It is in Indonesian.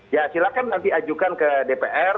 ya silahkan nanti ajukan ke dpr